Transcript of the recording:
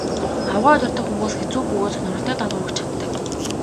Аугаа удирдах хүмүүс хэцүү бөгөөд сонирхолтой даалгавар өгч чаддаг.